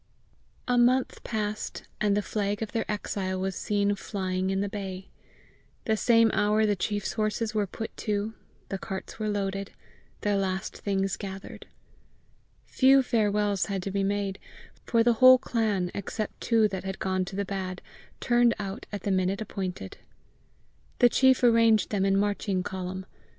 A month passed, and the flag of their exile was seen flying in the bay. The same hour the chief's horses were put to, the carts were loaded, their last things gathered. Few farewells had to be made, for the whole clan, except two that had gone to the bad, turned out at the minute appointed. The chief arranged them in marching column.